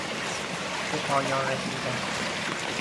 بپایان رسیدن